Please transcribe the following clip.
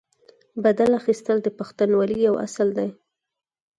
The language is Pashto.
بدل اخیستل د پښتونولۍ یو اصل دی.